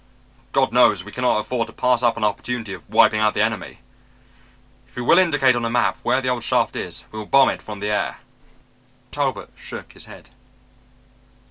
"God knows we cannot afford to pass up an opportunity of wiping out the enemy. If you will indicate on a map where the old shaft is we will bomb it from the air." But Talbot shook his head.